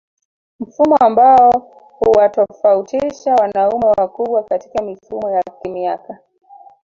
Mfumo ambao huwatofautisha wanaume wakubwa katika mifumo ya kimiaka